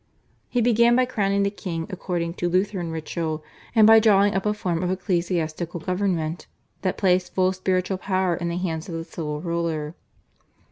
He began by crowning the king according to Lutheran ritual, and by drawing up a form of ecclesiastical government that placed full spiritual power in the hands of the civil ruler.